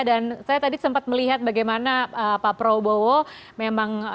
dan saya tadi sempat melihat bagaimana pak prabowo memang